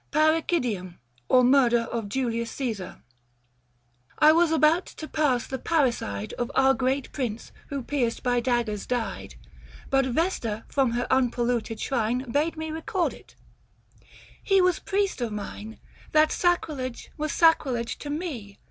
PARRICIDIUM, OR MURDER OF JULIUS CESAR. I was about to pass the parricide Of our great prince, w T ho pierced by daggers died ; But Vesta from her unpolluted shrine Bade me record it :" He was priest of mine, 750 That sacrilege was sacrilege to me.